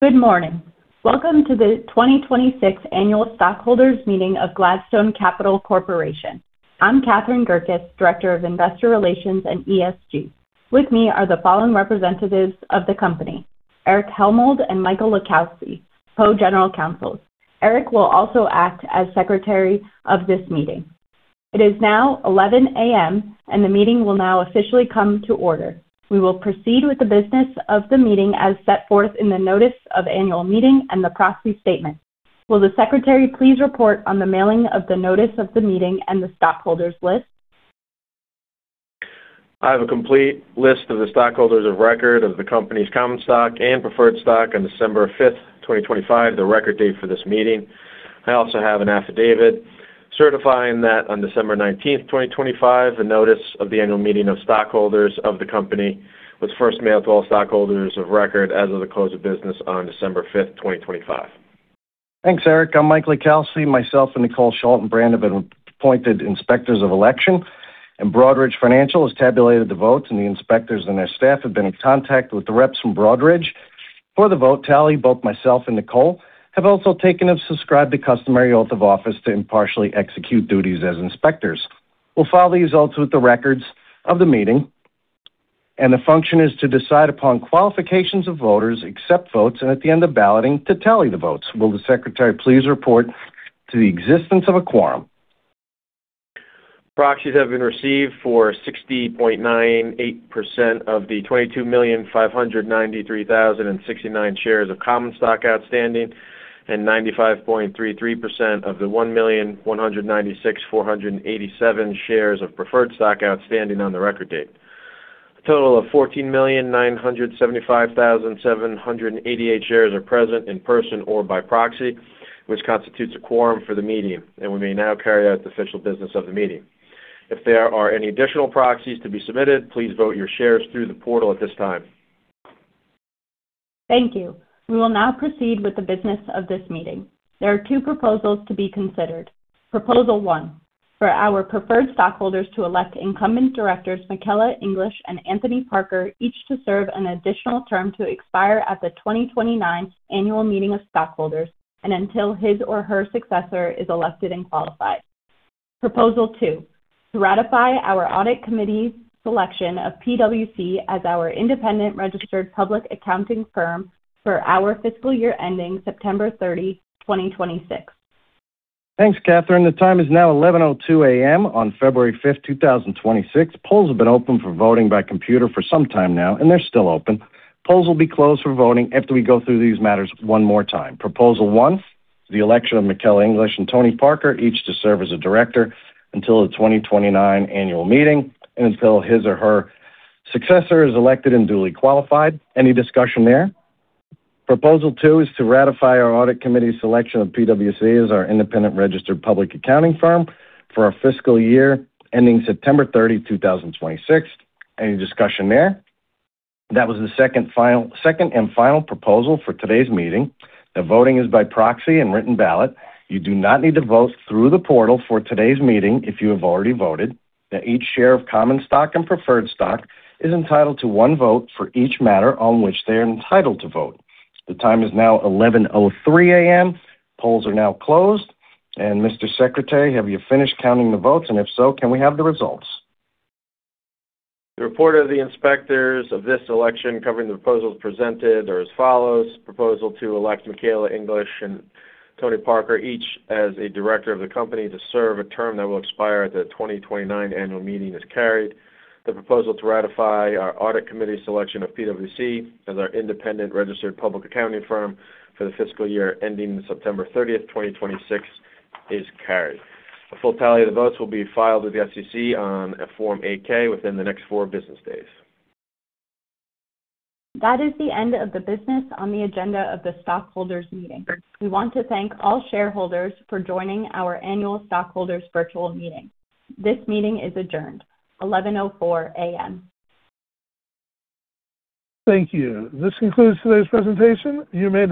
Good morning. Welcome to the 2026 Annual Stockholders' Meeting of Gladstone Capital Corporation. I'm Catherine Gerkis, Director of Investor Relations and ESG. With me are the following representatives of the company: Erich Hellmold and Michael LiCalsi, Co-General Counsel. Erich will also act as Secretary of this meeting. It is now 11:00 A.M., and the meeting will now officially come to order. We will proceed with the business of the meeting as set forth in the notice of annual meeting and the proxy statement. Will the Secretary please report on the mailing of the notice of the meeting and the stockholders' list? I have a complete list of the stockholders of record of the company's common stock and preferred stock on December 5th, 2025, the record date for this meeting. I also have an affidavit certifying that on December 19th, 2025, the notice of the annual meeting of stockholders of the company was first mailed to all stockholders of record as of the close of business on December 5th, 2025. Thanks, Erich. I'm Mike LiCalsi. Myself and Nicole Schaltenbrand have been appointed inspectors of election, and Broadridge Financial has tabulated the votes, and the inspectors and their staff have been in contact with the reps from Broadridge. For the vote tally, both myself and Nicole have also taken and subscribed to customary oath of office to impartially execute duties as inspectors. We'll file these oaths with the records of the meeting, and the function is to decide upon qualifications of voters to accept votes, and at the end of balloting, to tally the votes. Will the Secretary please report to the existence of a quorum? Proxies have been received for 60.98% of the 22,593,069 shares of common stock outstanding and 95.33% of the 1,196,487 shares of preferred stock outstanding on the record date. A total of 14,975,788 shares are present in person or by proxy, which constitutes a quorum for the meeting, and we may now carry out the official business of the meeting. If there are any additional proxies to be submitted, please vote your shares through the portal at this time. Thank you. We will now proceed with the business of this meeting. There are two proposals to be considered. Proposal one: for our preferred stockholders to elect incumbent directors Michela English and Anthony Parker, each to serve an additional term to expire at the 2029 annual meeting of stockholders and until his or her successor is elected and qualified. Proposal two: to ratify our audit committee's selection of PwC as our independent registered public accounting firm for our fiscal year ending September 30, 2026. Thanks, Catherine. The time is now 11:02 A.M. on February 5th, 2026. Polls have been open for voting by computer for some time now, and they're still open. Polls will be closed for voting after we go through these matters one more time. Proposal one: the election of Michela English and Tony Parker, each to serve as a director until the 2029 annual meeting and until his or her successor is elected and duly qualified. Any discussion there? Proposal two is to ratify our audit committee's selection of PwC as our independent registered public accounting firm for our fiscal year ending September 30, 2026. Any discussion there? That was the second and final proposal for today's meeting. The voting is by proxy and written ballot. You do not need to vote through the portal for today's meeting if you have already voted. Each share of common stock and preferred stock is entitled to one vote for each matter on which they are entitled to vote. The time is now 11:03 A.M. Polls are now closed. And Mr. Secretary, have you finished counting the votes? And if so, can we have the results? The report of the inspectors of this election covering the proposals presented are as follows: Proposal to elect Michela English and Tony Parker, each as a director of the company to serve a term that will expire at the 2029 annual meeting is carried. The proposal to ratify our audit committee's selection of PwC as our independent registered public accounting firm for the fiscal year ending September 30th, 2026, is carried. A full tally of the votes will be filed with the SEC on Form 8-K within the next four business days. That is the end of the business on the agenda of the stockholders' meeting. We want to thank all shareholders for joining our annual stockholders' virtual meeting. This meeting is adjourned. 11:04 A.M. Thank you. This concludes today's presentation. You may.